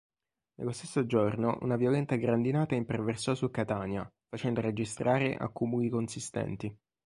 Nello stesso giorno una violenta grandinata imperversò su Catania, facendo registrare accumuli consistenti.